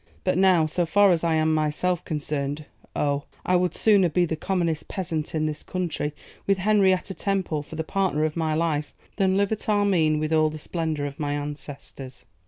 But now, so far as I am myself concerned, oh! I would sooner be the commonest peasant in this county, with Henrietta Temple for the partner of my life, than live at Armine with all the splendour of my ancestors.